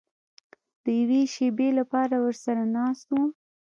د یوې شېبې لپاره ورسره ناست وم.